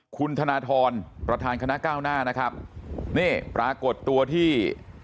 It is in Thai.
คุณธนทรประธานคณะก้าวหน้านะครับนี่ปรากฏตัวที่